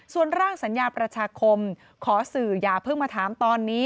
ส่วนร่างสัญญาประชาคมขอสื่ออย่าเพิ่งมาถามตอนนี้